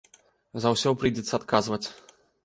За ўсе прыйдзецца адказваць.